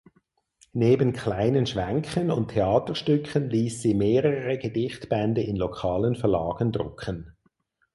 Neben kleinen Schwänken und Theaterstücken ließ sie mehrere Gedichtbände in lokalen Verlagen drucken.